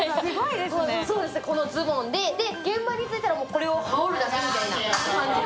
このすぼんで、現場に着いたらこれを羽織るだけみたいな。